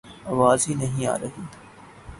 آواز ہی نہیں آرہی